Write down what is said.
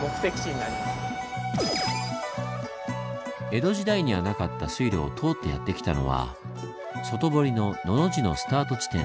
江戸時代にはなかった水路を通ってやって来たのは外堀の「のの字」のスタート地点。